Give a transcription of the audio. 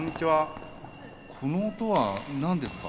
この音は何ですか？